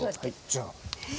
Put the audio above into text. じゃあ。え？